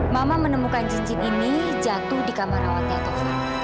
mamah menemukan cincin ini jatuh di kamar rawatnya taufan